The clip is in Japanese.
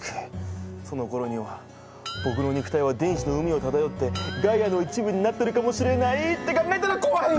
そのころには僕の肉体は電子の海をただよってガイアの一部になってるかもしれないって考えたら怖い！